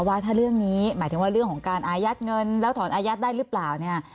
ว่าถ้าเรื่องนี้หมายถึงว่าเรื่องของการอายัดเงินแล้วถอนอายัดได้หรือเปล่าเนี่ย